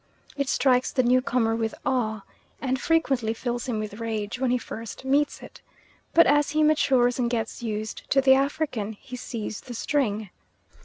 It strikes the new comer with awe, and frequently fills him with rage, when he first meets it; but as he matures and gets used to the African, he sees the string.